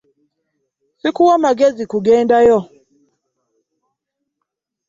Sikuwa magezi kugendayo.